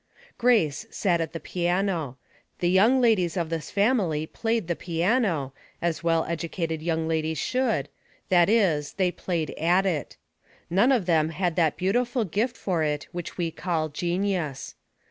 Grace sat at the piano. The young ladies of this family played the piano — as well educated young ladies should — that is, they played at it. None of them had that beautiful giit for it which we call genius.